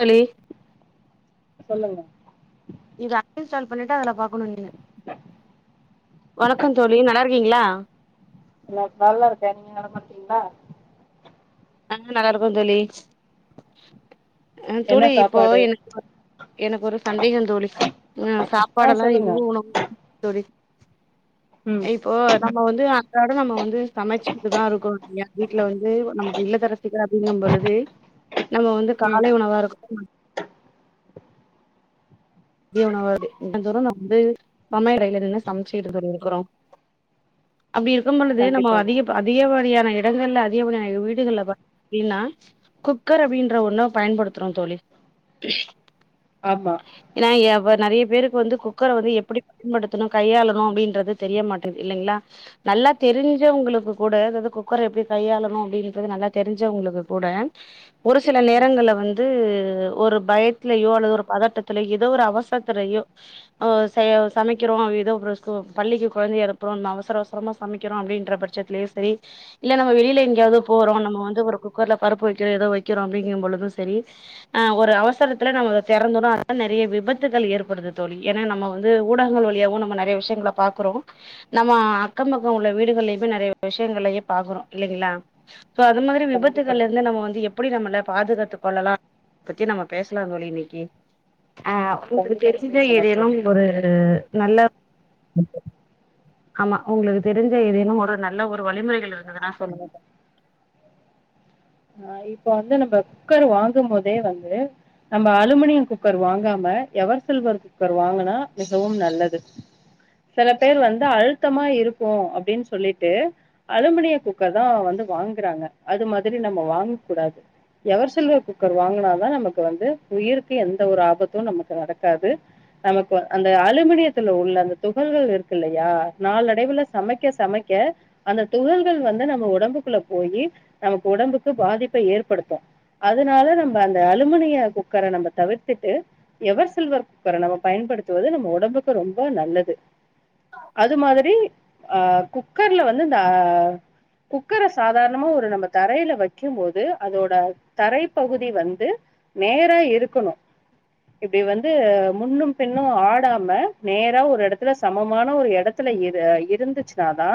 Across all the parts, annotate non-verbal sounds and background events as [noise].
தோழி [unintelligible] சொல்லுங்க லிஇன்ஸ்டால் பன்னிட்டு அதுல பாக்கனு வணக்கம் தோழி நல்லா இருக்கீங்களா இல்ல நல்லா இருக்கே நீங்க நலமார்க்கீகளா ஆ நல்லா இருக்கோ தோழி ஆ என்ன தூளி இப்போ சாப்பாடு எனக்கு எனக்கு ஒரு சந்தேகோ தோளி உ ஆ சாப்பாடெல்லா சொல்லுங்க இரு [unintelligible] தோழி ம் இப்போ நம்ம வந்து அ அதநாடு நம்ம வந்து சமைச்சுட்டு தா இருக்கும்யா வீட்டுல வந்து நம இல்ல தரசிக்கிற அப்டிங்கம் பொழுது நம்ம வந்து ம் காலை உணவா இருக்கு [unintelligible] அப்படி இருக்கும் பொழுது நம்ம கண்டிப்பாக அதிக அதிக வாரியான எட இடங்கள்ல அதிகப வீடுகள் அப்படின்னா குக்கர் அப்படின்ற ஒண்ணு பயன்படுத்துறோ தோழி ஆமா ஏன்னாப்ப நறைய பேருக்கு வந்து குக்கர வந்து எப்படி பயன்படுத்தணு கையாளணு அப்படின்றது தெரிய மாட்டேது இல்லைங்களா நல்லா தெரிஞ்சவங்களுக்கு கூட அதாவது குக்கர எப்படி கையாளணு அப்படின்றது நல்லா தெரிஞ்சவங்களுக்கு கூட ஒரு சில ம் நேரங்கள்ல வந்து ஒரு பயத்தலயோ அல்லது ஒரு பதட்ட ஏதோ ஒரு அவசரத்துலயோ ஆ சமைக்கிறோ ஏதோ ஒரு பள்ளிக்கு குழந்தைய அனுப்புறோ நம் அவசர அவசரமா சமைக்கிறோ அப்படின்ற பட்சத்துலயே சரி இல்ல நம்ம வெளில எங்கேயாவது போறோ நம்ம வந்து ஒரு குக்கர்ல பருப்பு வைக்கிறோ ஏதோ வைக்கிறோ அப்படிங்கும் பொழுது சரி அ ஒரு அவசரத்துல நம்ம திறந்துரோ நிறைய விபத்துகள் ஏற்படுது தோழி ஏன்னா நம்ம வந்து ஊடகங்கள் வழியாவு நம்ம நிறைய விஷயங்க பாக்குறோ நம்ம அக்கம் பக்கம் உள்ள வீடுகள்லையுமே நிறைய விஷயங்களலையே பாக்குறோ இல்லைங்களா சோ அது மாரி விபத்துகள் கண்டிப்பாக இருந்து நம் வந்து எப் அப்படி நம்மள பாதுகாத்துக் கொள்ளலா பத்தி நம்ம பேசலா தோழி இன்னைக்கு அ உங்களுக்கு கண்டிப்பாக தெரிசுதா பேசலாம் ஏதேனு தோழி ஒரு நல்ல ஆமா உங்களுக்கு தெரிஞ்ச ஏதேனு ஒரு நல்ல ஒரு வழிமுறைகள் இருந்ததுனா சொல்லுங்க இப்போ வந்து நம்ம குக்கர் வாங்கும் போதே வந்து நம்ம அலுமினியம் குக்கர் வாங்காம எவர்சில்வர் குக்கர் வாங்கினா மிகவும் நல்லது சில பேர் வந்து அழுத்தமா இருக்கு அப்படின்னு சொல்லிட்டு அலுமினியம் குக்கர் தா வந்து வாங்குறாங்க அது மாதிரி நம்ம வாங்க கூடாது எவர் சில்வர் குக்கர் வாங்கினாதா நமக்கு வந்து உயிருக்கு எந்த ஒரு ஆபத்து நமக்கு நடக்காது நமக்கு அந்த அலுமினியத்துல உள்ள அந்த துகள்கள் இருக்கு இல்லையா நாளடைவுல சமைக்க சமைக்க அந்த துகள்கள் வந்து நம்ம உடம்புக்குள்ள போய் நமக்கு உடம்புக்கு பாதிப் ப ஏற்படுத்து அதனால நம்ம அந்த அலுமினிய குக்கர நம்ம தவிர்த்துட்டு எவர் சில்வர் குக்கர நம்ம பயன்படுத்துவது நம்ம உடம்புக்கு ரொம்ப நல்லது அது மாதிரி அ குக்கர்ல வந்து இந்த ஆ குக்கர சாதாரணமா ஒரு நம்ம தரையில வைக்கும்போது து அதோட தரைப்பகுதி வந்து நேரா இருக்கணு இப்டி வந்து முன்னு பின்னு ஆடாம நேரா ஒரு எடத்துல சமமான ஒரு எடத்துல இருந்துச்சுனாதா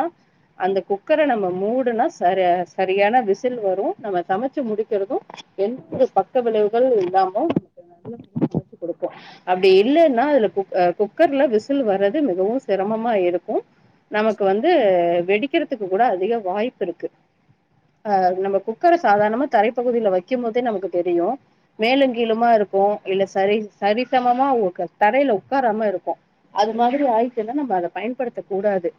அந்த குக்கர நம்ம மூடுனா சரி சரியான விசில் வரு நம்ம சமைச்சு முடிக்கிறது எந்த ஒரு பக்க விளைவுகள் இல்லாமோக்கு நல்ல சமைச்சு கொடுக்கு அப்டி இல்லைன்னா அதுல கு குக்கர்ல விசில் வர்றது மிகவு சிரமமா இருக்கு நமக்கு வந்து வெடிக்கிறதுக்கு கூட அதிக வாய்ப்பு இருக்கு ஆ நம்ம குக் க்கர சாதாரணமா தரைப்பகுதில வைக்கும் போதே நமக்கு தெரியு மேலு கீளுமா இருக்கு இல்லஸ் சரி சரிசமமா தரையில உக்காராம இருக்கு அது மாதிரி ஆயிச்சினா நம்ம அத பயன்படுத்த கூடாது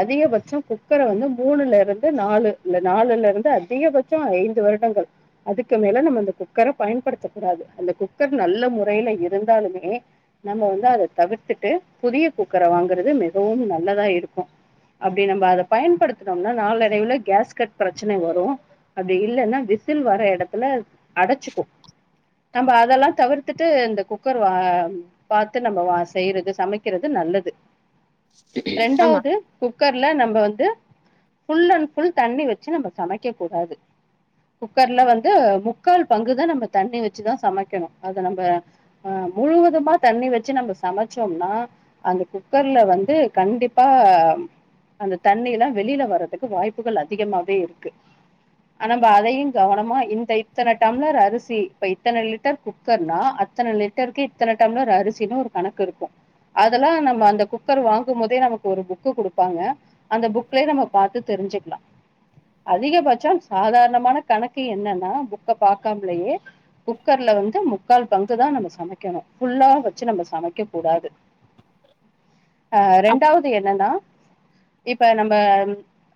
அதிகபட்சோ குக்கர வந்து மூணுல இருந்து நாலு நாலுல இருந்து அதிகபட் தோ ஐந்து வருடங்கள் அதுக்கு மேல நம்ம அந்த குக்கர பயன்படுத்தக்க கூடாது அந்த குக்கர் நல்ல முறையில இருந்தாலுமே நம்ம வந்து அத தவிர்த்துட்டு புதிய குக்கர வாங்குறது மிகவு நல்லதா இருக்கு அப்படி நம்ம அத பயன்படுத்தனம்னா நாளடைவுல கேஸ் கட் பிரச்சன வரு அப்டி இல்லைன்னா விசில் வர எடத்துல அடைச்சுக்கு நம்ம அதெல்லா தவிர்த்துட்டு இந்த குக்கர் வா பாத்து நம்ம செய்யறது சமைக்கிறது நல்லது ஆமா ரெண்டாவது குக்கர்ல நம் நம்ம வந்து ஃபுல் அண்ட் ஃபுல் தண்ணி வச்சு நம்ம சமைக்கக் கூடாது குக்கர்ல வந்து முக்கால் பங்குதா நம்ம தண்ணி வச்சுதா சமைக்கணு அத நம்ப ஆ முழுவதுமா தண்ணி வச்சு நம்ப சமைச்சோம்னா அந்த குக்கர்ல வந்து கண்டிப்பா அந்த தண்ணி எல்லா வெளில வர்றதுக்கு வாய்ப்புகள் அதிகமாவே இருக்கு ஆ நம்ப அதையு கவனமா இந்த இத்தன டம்ளர் அரிசி இப்ப இத்தன லிட்டர் குக்கர்னா அத்தன லிட்டருக்கு இத்தன டம்ளர் அரிசின்னு ஒரு கணக்கு இருக்கு அதெல்லா நம்ம அந்த குக்கர் வாங்கும் போதே நமக்கு ஒரு புக்கு குடுப்பாங்க அந்த புக்லயே நம்ம பாத்து தெரிஞ்சுக்கலா அதிகபட்சோ சாதாரணமான கணக்கு என்னன்னா புக்க பாக்காமலேயே குக்கர்ல வந்து முக்கால் பங்குதா நம்ம சமைக்கணு ஃபுல்லா வச்சு நம்ம சமைக்க கூடாது ஆ ரெண்டாவது என்னன்னா இப்ப நம்ப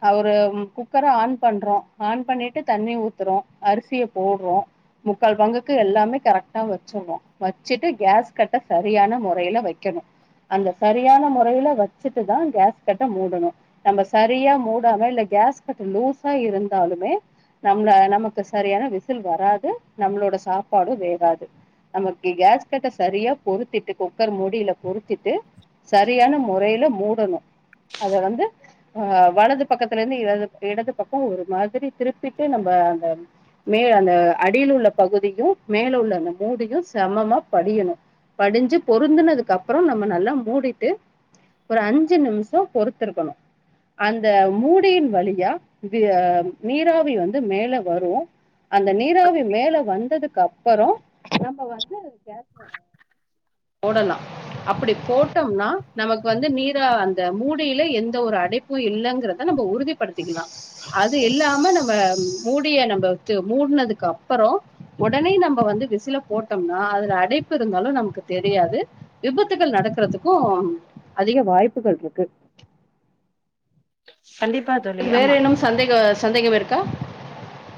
ஆ ஒரு குக்கர ஆன் பண்றோ ஆன் பண்ணிட்டு தண்ணி ஊத்துறோ அரிசிய போடுறோ முக்கால் பங்குக்கு எல்லாமே கரெக்டா வச்சர்றோ வச்சுட்டு கேஸ்கட்ட சரியான முறையில வைக்கணு அந்த சரியான முறையில வச்சுட்டுதா கேஸ்கட்ட மூடணு நம்ம சரியா மூடாம இல்ல கேஸ்கட்டு லூஸா இருந் தாலுமே நம்மள நமக்கு சரியான விசில் வராது நம்மளோட சாப்பாடு வேகாது நமக்கு கேஸ்கட்ட சரியா பொருத்திட்டு குக்கர் மூடில பொருத்திட்டு சரியான முறையில மூடணு அத வந்து ஆ வலது பக்கத்துல இருந்து இடது இடது பக்கோ ஒரு மாதிரி திருப்பிட்டு நம்ம அந்த மே அந்த அடியில உள்ள பகுதியு மேல உள்ள அந்த மூடியு சமமா படியணு படிஞ்சு பொருந்தனதுக்கு அப்புறோ நம்ம நல்லா மூடிட்டு ஒரு அஞ்சு நிமிஷோ பொறுத்திருக்கணு அந்த மூடியின் வழியா வி ஆ ம் நீராவி வந்து மேல வரு அந்த நீராவி மேல வந்ததுக்கு அப்பறோ நம்ம வந்து கே [unintelligible] போடலா அப்படி போட்டோம்னா நமக்கு வந்து நீரா அந்த மூடியில எந்த ஒரு அடைப்பு இல்லேங்கறத நம்ப உறுதிப்படுத்திக்கலா அது இல்லாம நம்ம ம் மூடிய நம்ப இது மூடுனதுக்கு அப்பறோ உடனே நம்ப வந்து விசில போட்டோம்னா அதுல அடைப்பு இருந்தாலு நமக்கு தெரியாது விபத்துகள் நடக்கிறதுக்கு அதிக வாய்ப்புகள் இருக்கு கண்டிப்பா தோழி இது வேற ஆமா இன்னுமு சந்தேக சந்தேகம் இருக்கா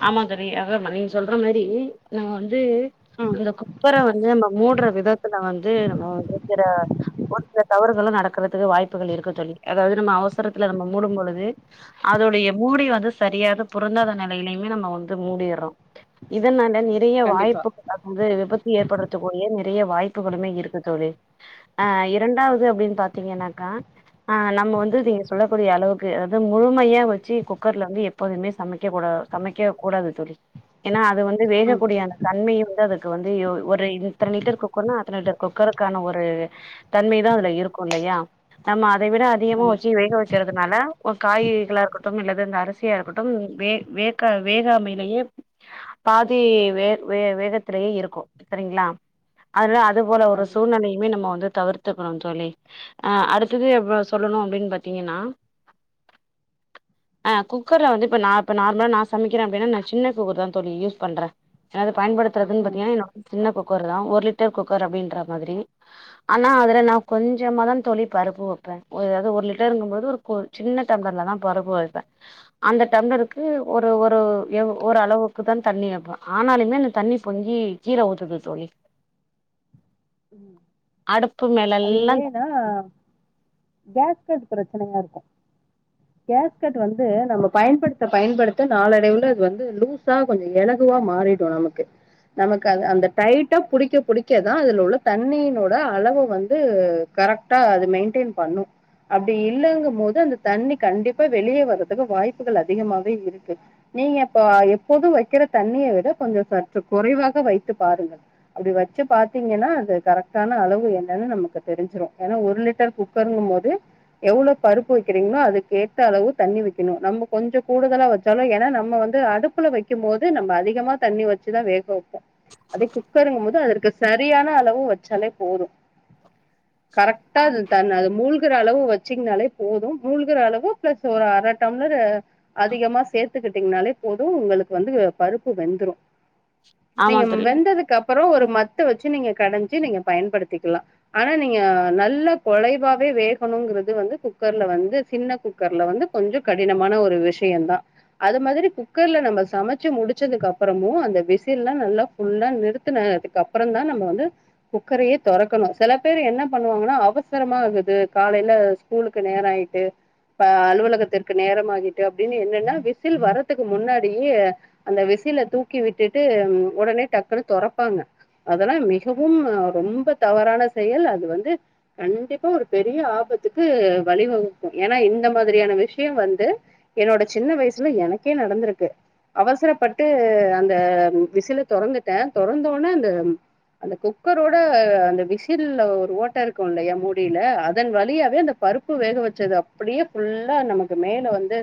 ஆமாந் தோழி அது ஆமா நீங்க சொல்ற மாரி நம்ம வந்து ம் அந்த குக்கர வந்து நம்ம மூடுற விதத்துல வந்து நம்ம வந்து இருக்கிற ஒரு சில தவறுகளு நடக்கறதுக்கு வாய்ப்புகள் இருக்கு தோழி அதாவது நம்ம அவசரத்துல நம்ம மூடும்பொழுது அதோடைய மூடி வந்து சரியாக பொருந்தாத நெ லயிலயுமே நம்ம வந்து மூடிர்றோ இதனா ல நிறைய கண்டிப்பா வாய்ப்புகள் வந்து விபத்து ஏற்படுறதுக்குரிய நி றைய வாய்ப்புகளுமே இருக்கு தோழி ஆ இரண்டாவது அப்டின்னு பாத்தீங்கன்னாக்கா ஆ நம்ம வந்து நீங்க சொல்லக்கூடிய அளவுக்கு அதாவது முழுமையா வச்சு குக்கர்ல வந்து எப்போதுமே சமைக்க கூடா சமைக்க கூடாது தோழி ஏன்னா அ து வந்து ம் வேகக்கூடிய அந்த தன்மைய வந்து அது க்கு வந்து யோ ஒரு இத்தன லிட்டர் குக்கர்னா அத்தன லிட்டர் குக்கருக்கான ஒரு தன்மைதா அதுல இருக்கு இல்லையா நம்ம அ தை விட அதிகமா வச்சு கண்டிப்பா வேக வச்சர்றதுனால ஒரு காய்கறிகளாக இருக்கட்டும் இல்ல இந்த அரிசியா இருக்கட்டும் வே வே க்க வேகாமையிலயே பாதி வே வே வேகத்திலேயே இருக்கு சரிங்களா அதல்லா அ து போல ஒரு கண்டிப்பா சூழ்நெலையுமே நம்ம வந்து தவிர்த்துக்கணு தோழி ஆ அடுத்தது இப்ப சொல்லணு அப்டின் பாத்தீங்கன்னா ஆ குக்கர்ல வந்து இப்ப நா இப்ப நார்மலா நா சமைக்கிறே அப்டின்னா நா சின்ன குக்கர்தா தோழி யூஸ் பண்றே ஏன்னா அது பயன்படுத்தறதுன் ம் பாத்தீங்கன்னா என்னோட சின்ன குக் கர்தா ஒரு லிட்டர் குக்கர் அப்டின்ற மாதிரி ஆனா அதுல நா கொஞ்சமாதா தோழி பருப்பு வப்பே அதாவது ஒரு லிட்டருங்கும்போது ஒரு கோ சின்ன டம்ளர்லதா பருப்பு வப்பே அந்த டம்ளருக்கு ஒரு ஒரு எ ஒரு அளவுக்குதான் தண்ணி வப்பே ஆனாலுமே அந்த தண்ணி பொங்கி கீழே ஊத்துது தோழி அடுப்பு அது மேலெல்லா ஏனா கேஷ் கட் பிரச் ச்சனையா இருக்கு கேஷ்கட் வந்து நம்ம பயன்படுத்த பயன்படுத்த நாளடைவுல அது வந்து லூஸா கொஞ்ச எலகுவா மாறிடு நமக்கு நமக்கு அத அந்த டைட்டா புடிக்க புடிக்கதா அதுல உள்ள தண்ணீனோட அளவு வந்து கரெக்டா அது மெயின்டெயன் பண்ணு அப்பிடி இல்லங்கு போது அந்த தண்ணி கண்டிப்பா வெளிய வரறதுக்கு வாய்ப்புகள் அதிகமாவே இருக்கு நீங்க இப்ப எப்போதும் வைக்கிற தண்ணிய விட கொஞ்சோ சற்று குறைவாக வைத்து பாருங்கள் அப்படி வச்சி பாத்தீங்கன்னா அது கரெக்டனா அளவு என்னென்னு நமக்கு தெரிஞ்சிரு ஏன்னா ஒரு லிட்டர் குக்கருங்கு போது எவ்ளோ பருப்பு வைக்கிறீங்களோ அதுக்கு ஏத்த அளவு தண்ணி வைக்கணு நம்ம கொஞ்ச கூடுதலா வச்சாலு ஏன்னா நம்ம வந்து அடுப்புல வைக்கு போது நம்ம அதிகமா தண்ணி வச்சுதா வேக வைப்போ அதே குக்கருங்கும்போது அதற்கு சரியான அளவு ச்சாலே போது கரெக்டா அது தன் அது மூழ் க்கிற அளவு வச்சீங்கனாலே போது மூழ்கிற அளவு பிளஸ் ஒரு அரை டம்ளர் அதிகமா சேத்துக்கிட்டீங்கனாலே போது உங்களுக்கு வந்து பருப்பு வெந்துரு ஆமா நீங்க தோழி வெந்ததுக்கு அப்புறோ ஒரு மத்து வச்சி த்து நீங்க கட ச்சி நீங்க பயன்படுத்திக்கலா ஆனா நீங்க நல்ல குலைவாவே வேகணுங்கிறது வந்து குக்கர்ல வந்து சின்ன குக்கர்ல வந்து கொஞ்ச கடினமான ஒரு விஷ்யோதா அது மாதிரி குக்கர்ல நம்ம சமைச்சி முடிச்சதுக்கு அப்புறமு அந்த விசில்லா நல்லா ஃபுல்லா நிறுத்தினதுக்கு அப்புறதா நம்ம வந்து குக்கரையே தொறக்கணு சில பேர் என்ன பண்ணுவாங்கன்னா அவசரமா ஆகுது காலையில ஸ்கூலுக்கு நேரோ ஆயிட்டு பா அலுவலகத்திற்கு நேரோ ஆயிட்டு அப்பிடின்னு என்னென்னா விசில் வர்றதுக்கு முன்னாடியே அந்த விசில தூக்கி விட்டுட்டு உடனே டக்குனு தொரப்பாங்க அதெல்லா மிகவு கும் ரொம்ப தவறான செயல் அது வந்து கண்டிப்பா ஒரு பெரிய ஆபத்துக்கு வழிவகுக்கு ஏன்னா இந்த மாதிரியான விஷ்யோ வந்து என்னோட சின்ன வயசுல எனக்கே நடந்திருக்கு அவசரப்பட்டு அந்த விசில தொறந்துட்டே தொறந்தோனே அந்த அந்த குக்கரோட அந்த விசில்ல ஒரு ஓட்ட இருக்கு இல்லையா மூடியில அதன் வழியாவே அந்த பருப்பு வேக வச்சது அப்பிடியே ஃபுல்லா நமக்கு மேல வந்து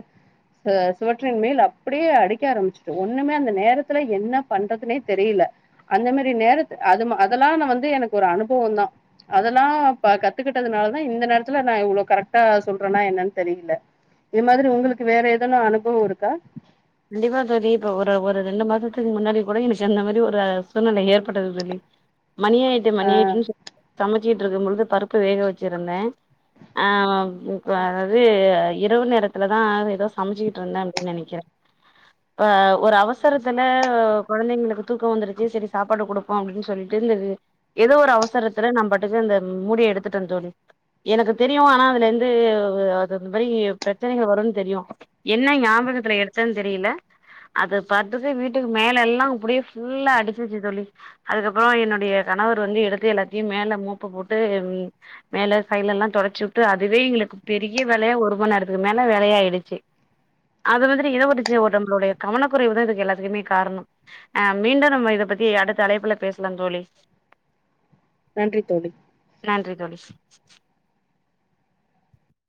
ச சுவற்றின் மேல் அப்பிடியே அடிக்க ஆரம்பிச்சுட்டு ஒன்னுமே அந்த நேரத்துல என்ன பண்றதுனே தெரியல அந்த மேரி நேரத் அதும அதெல்லா நா வந்து எனக்கு ஒரு அனுபவோதா அதெல்லா ப கத்துக்கிட்டதுனாலதா இந்த நேரத்துல நா இவ்ளோ கரெக்டா சொல்றேன்னா என்னென்னு தெரியல இது மாதிரி உங்களுக்கு வேற எதுன்னா அனுபவோ இருக்கா கண்டிப்பா தோழி இப்ப ஒரு ஒரு ரெண்டு மாசத்துக்கு முன்னாடி கூட எனக்கு அந்த மாரி ஒரு சூழ்நிலை ஏற்பட்டது தோழி மணி ஆயிட்டு ஆ மணி ஆயிட்டுன்னு சொ சமச்சிட்டு இருக்கு பொழுது பருப்பு வேக வச்சிருந்தே ஆ இருக்காளா அதாது இரவு நேரத்துலதா எதோ சமச்சிட்டு இருந்தன் அப்பிடின் நெனைக்கிறே ஆ ஒரு அவசரத்தில கொழந்தைங்களுக்கு தூக்கம் வந்துருச்சி சரி சாப்பாடு குடுப்போ அப்பிடின் சொல்லிட்டு இந்த எதோ ஒரு அவசரத்துல நம் பாட்டுக்கு அந்த முடிய எடுத்துட்டே தோழி எனக்கு தெரியு ஆனா அதுல இருந்து அது இந்த மாரி பிரச்சனைகள் வருனு தெரியு என்ன ஞாபகத்துல ச்ச தெரியல அது பாத்தது வீட்டுக்கு மேல எல்லா அப்பிடியே ஃபுல்லா அடிச்சிருச்சி தோழி அதுக்கப்புறோ என்ன ஏ கணவர் வந்து எடுத்து எல்லத் கே மேல மோப்ப போட்டு மேல சைலல்லா தொடச்சி விட்டு அதுவே எங்களுக்கு பெரிய வேலையா ஒரு மணி நேரத்துக்கு மேல வேலைய ஆயிடிச்சி அது வந்து இத [unintelligible] நம்மளுடைய கவனக்குறைவுதா இதுக்கு எல்லாத்துக்குமே காரணோ அ மீண்டும் நம்ம இத பத்தி அடுத்த அழைப்புல பேசலா தோழி நன்றி தோழி நன்றி தோழி [inaudible]